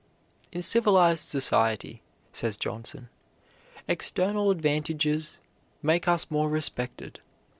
"In civilized society," says Johnson, "external advantages make us more respected.